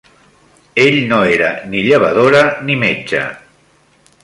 Ell no era ni llevadora ni metge